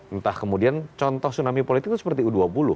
entah kemudian contoh tsunami politik itu seperti u dua puluh